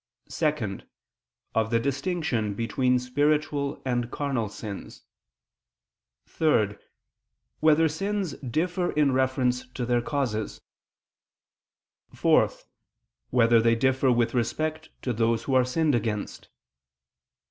(2) Of the distinction between spiritual and carnal sins; (3) Whether sins differ in reference to their causes? (4) Whether they differ with respect to those who are sinned against?